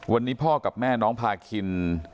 วันนี้พ่อกับแม่น้องพาคิน